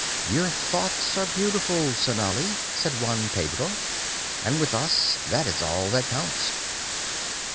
"Your thoughts are beautiful, Sonali," said Juan Pedro, "and with us, that is all that counts."